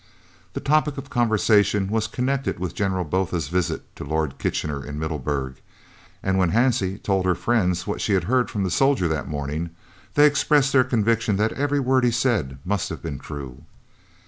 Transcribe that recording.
The topic of conversation was connected with General Botha's visit to Lord Kitchener in Middelburg, and when Hansie told her friends what she had heard from the soldier that morning, they expressed their conviction that every word he said must have been true.